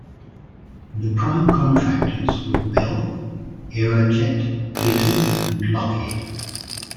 The prime contractors were Bell, Aerojet, Litton, and Lockheed.